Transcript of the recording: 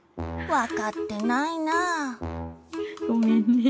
分かってないなぁ。